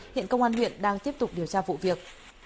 hiện công an huyện đang tiếp tục điều tra vụ việc